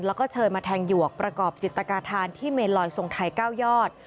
แล้วก็เชิญมาแทงหยวกประกอบจิตกาธานที่เมนลอยทรงไทย๙ยอด